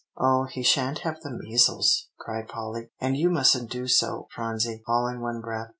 "Oh, he sha'n't have the measles!" cried Polly; "and you mustn't do so, Phronsie," all in one breath.